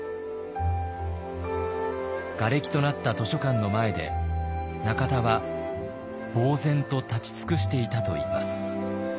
がれきとなった図書館の前で中田はぼう然と立ち尽くしていたといいます。